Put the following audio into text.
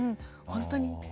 本当に。